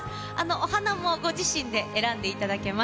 お花もご自身で選んでいただけま